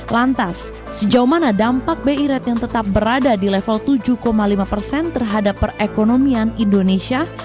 lantas sejauh mana dampak bi rate yang tetap berada di level tujuh lima persen terhadap perekonomian indonesia